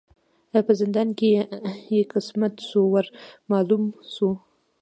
په زندان کی یې قسمت سو ور معلوم سو